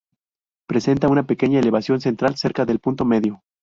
Presenta una pequeña elevación central cerca del punto medio.